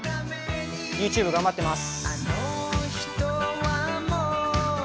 ＹｏｕＴｕｂｅ頑張ってます。